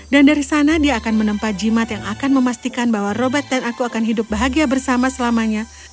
dan dari sana dia akan menempat jimat yang akan memastikan bahwa robert dan aku akan hidup bahagia bersama selamanya